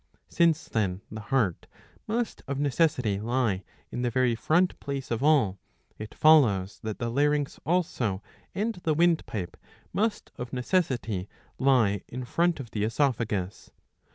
Since then the heart must of necessity lie in the very front place of all, it follows that the larynx also and the windpipe must of necessity lie in front of the oesophagus.